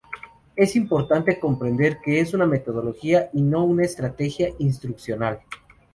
Es importante comprender que es una metodología y no una estrategia instruccional.